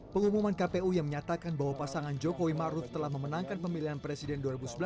pengumuman kpu yang menyatakan bahwa pasangan jokowi maruf telah memenangkan pemilihan presiden dua ribu sembilan belas